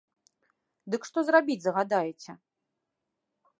Дык што ж зрабіць загадаеце?